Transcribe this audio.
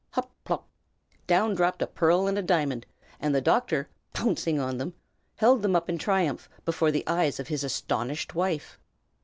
Hop! pop! down dropped a pearl and a diamond, and the doctor, pouncing on them, held them up in triumph before the eyes of his astonished wife.